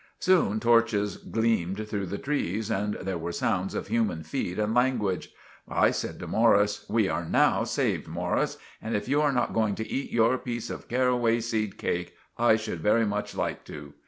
Soon toarches gleemed through the trees, and there were sounds of human feet and langwidge. I said to Morris— "We are now saved, Morris, and if you are not going to eat your piece of carraway seed cake, I should very much like to."